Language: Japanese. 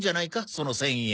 その１０００円。